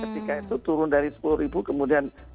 ketika itu turun dari sepuluh ribu kemudian